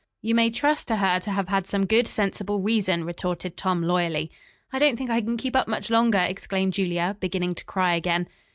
"You may trust to her to have had some good, sensible reason," retorted Tom loyally. "I don't think I can keep up much longer," exclaimed Julia, beginning to cry again.